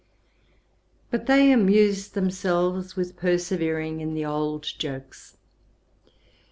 But they amused themselves with persevering in the old jokes.